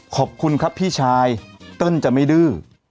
ขอบคุณครับพี่ชายเติ้ลจะไม่ดื้อ